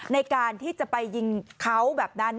ในการที่จะไปยิงเขาแบบนั้น